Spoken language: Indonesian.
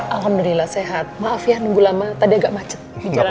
alhamdulillah sehat maaf ya nunggu lama tadi agak macet di jalan